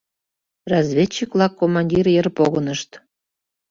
Разведчик-влак командир йыр погынышт.